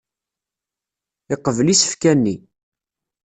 Yeqbel isefka-nni.